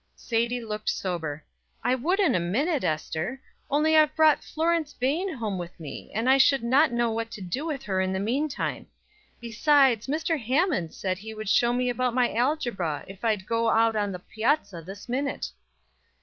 Sadie looked sober. "I would in a minute, Ester, only I've brought Florence Vane home with me, and I should not know what to do with her in the meantime. Besides, Mr. Hammond said he would show me about my algebra if I'd go out on the piazza this minute."